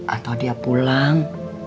atau dia pulang